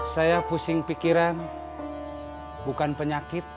saya pusing pikiran bukan penyakit